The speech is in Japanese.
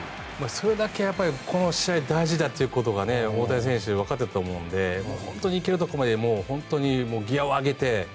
それだけ、この試合大事だということが大谷選手わかっていたと思うので本当に行けるところまでギアを上げて。